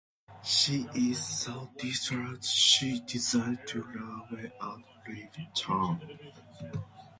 She is so distraught she decides to run away and leave town.